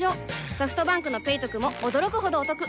ソフトバンクの「ペイトク」も驚くほどおトク